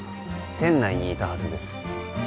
店内にいたはずです